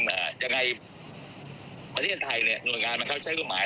ยังไงประเทศไทยหน่วยงานมันเข้าใช้เครื่องหมาย